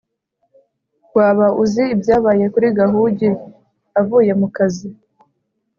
Waba uzi ibyabaye kuri Gahugi avuye mu kazi?